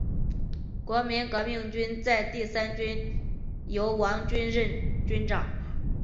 国民革命军第三军由王均任军长。